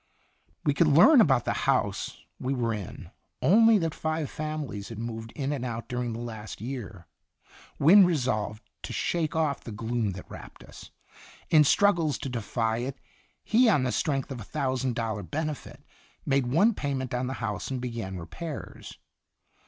"' We could learn about the house we were in only that five families had moved in and out during the last year. Wynne resolved to shake off the gloom that wrapped us. In struggles to defy it, he on the strength of a thousand dollar benefit, made one payment on the house and began repairs.